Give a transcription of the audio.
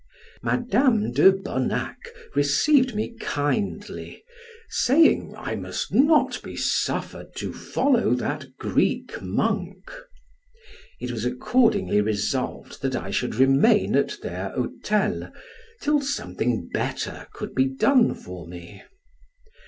Madam de Bonac received me kindly, saying, I must not be suffered to follow that Greek monk. It was accordingly resolved that I should remain at their hotel till something better could be done for me.